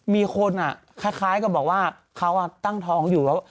มีคนคล้ายกับบอกว่าเขาตั้งท้องอยู่แล้ว